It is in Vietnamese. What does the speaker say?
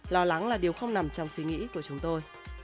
lo lắng là điều không nằm trong suy nghĩ của chúng tôi